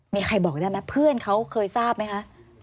มีใครบอกได้ไหมเพื่อนเขาเคยทราบไหมคะ